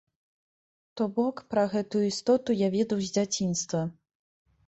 То бок, пра гэтую істоту я ведаў з дзяцінства.